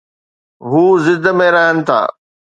هو ضد ۾ رهن ٿا.